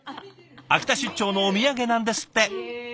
秋田出張のお土産なんですって。